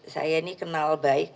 saya ini kenal baik